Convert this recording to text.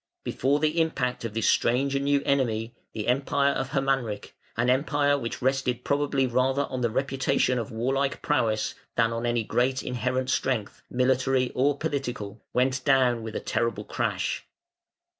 Before the impact of this new and strange enemy the Empire of Hermanric an Empire which rested probably rather on the reputation of warlike prowess than on any great inherent strength, military or political went down with a terrible crash.